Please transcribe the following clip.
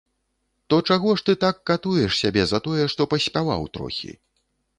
То чаго ж ты так катуеш сябе за тое, што паспяваў трохі?